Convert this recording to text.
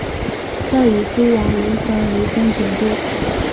再与诸王轮番围攻锦州。